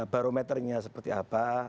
barometernya seperti apa